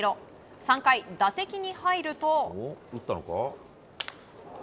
３回、打席に入ると。